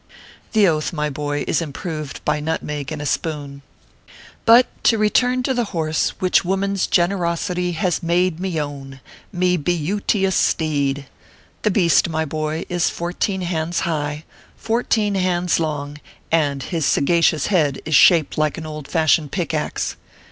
The Oath, my boy, is improved by nut meg and a spoon. But to return to the horse which woman s generos ity has made me own me be yuteous steed. The beast, my boy, is fourteen hands high, fourteen hands long, and his sagacious head is shaped like an old fashioned pick axe.